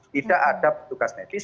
tidak ada petugas medis